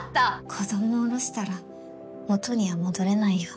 子供をおろしたら元には戻れないよ。